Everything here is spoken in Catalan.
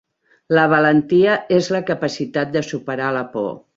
La valentia és la capacitat de superar la por.